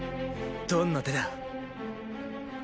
どんな手だ。